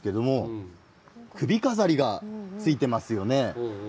首飾りがついていますよね。